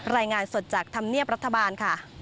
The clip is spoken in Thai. รายงานสดจากธำเนียบรัฐบาล